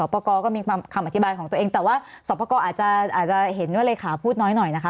ปก็มีคำอธิบายของตัวเองแต่ว่าสอบปกอศาสตร์อาจจะเห็นว่าเลขาพูดน้อยนะคะ